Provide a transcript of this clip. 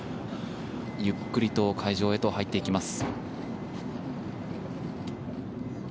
ゆっくりと会場へと入っていきます。